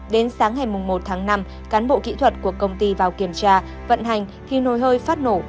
đến sáng ngày một tháng năm cán bộ kỹ thuật của công ty vào kiểm tra vận hành thì nồi hơi phát nổ